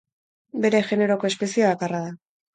Bere generoko espezie bakarra da.